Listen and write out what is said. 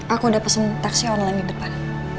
aku udah pesen taksi online di depan